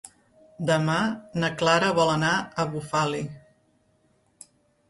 Demà na Clara vol anar a Bufali.